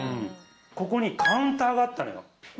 ここにカウンターがあったのよ。